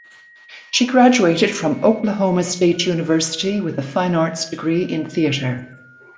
She graduated from Oklahoma State University with a fine arts degree in theater.